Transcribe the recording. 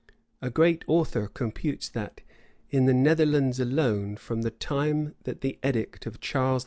A great author[*] computes that, in the Netherlands alone, from the time that the edict of Charles V.